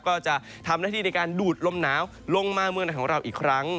ก็จะทำหน้าที่ในการดูดลมหนาวลงมาเมืองในของเราอีกครั้ง